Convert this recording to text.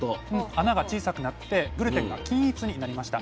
穴が小さくなってグルテンが均一になりました。